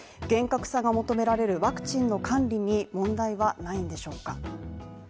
厳格さが求められるワクチンの管理に問題はないんでしょうか？